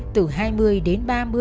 từ hai mươi đến ba mươi